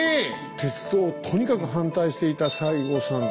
鉄道をとにかく反対していた西郷さん。